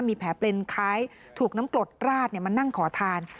มีแผลเป็นคล้ายถูกน้ำกรดราดมานั่งขอทาน